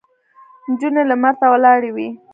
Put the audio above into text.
نجونې لمر ته ولاړې وې.